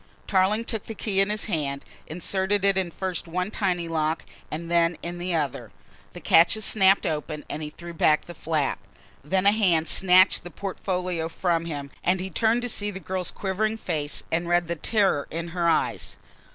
Tarling took the key in his hand, inserted it in first one tiny lock and then in the other. The catches snapped open and he threw back the flap. Then a hand snatched the portfolio from him and he turned to see the girl's quivering face and read the terror in her eyes.